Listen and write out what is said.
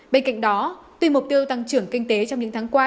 bên cạnh đó tuy mục tiêu tăng trưởng kinh tế trong những tháng qua